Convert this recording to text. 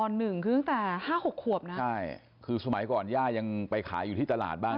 คือตั้งแต่ห้าหกขวบนะใช่คือสมัยก่อนย่ายังไปขายอยู่ที่ตลาดบ้าง